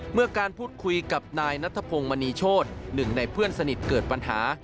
เมื่อการพูดคุยกับนายนัทพงศ์มณีโชธหนึ่งในเพื่อนสนิทเกิดปัญหา